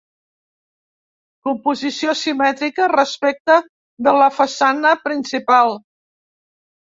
Composició simètrica respecta de la façana principal.